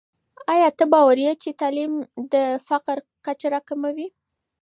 آیا ته باوري یې چې تعلیم د فقر کچه راکموي؟